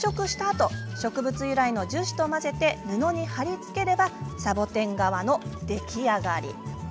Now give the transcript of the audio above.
あと植物由来の樹脂と混ぜ布に貼り付ければサボテン革の出来上がり。